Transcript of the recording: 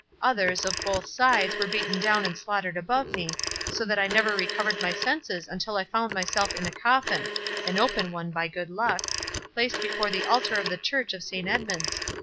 Others, of both sides, were beaten down and slaughtered above me, so that I never recovered my senses until I found myself in a coffin—(an open one, by good luck)—placed before the altar of the church of Saint Edmund's.